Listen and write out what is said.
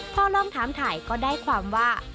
พอลองถามถ่ายก็ได้ความว่า